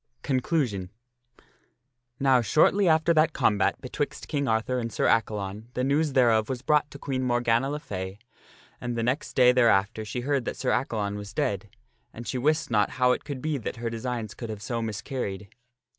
CONCLUSION Now shortly after that combat betwixt King Arthur and Sir Accalon the news thereof was brought to Queen Morgana le Fay, and the next day thereafter she heard that Sir Accalon was dead, and she wist not how it could be that her designs could have so miscarried.